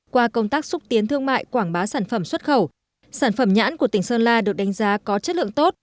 qua công tác xúc tiến thương mại quảng bá sản phẩm xuất khẩu sản phẩm nhãn của tỉnh sơn la được đánh giá có chất lượng tốt